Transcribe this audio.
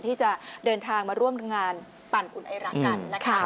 ที่จะเดินทางมาร่วมงานปั่นอุ่นไอรักกันนะคะ